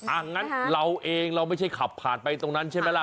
อย่างนั้นเราเองเราไม่ใช่ขับผ่านไปตรงนั้นใช่ไหมล่ะ